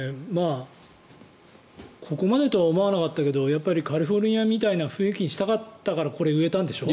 ここまでとは思わなかったけどやっぱりカリフォルニアみたいな雰囲気にしたいからこれ、植えたんでしょ？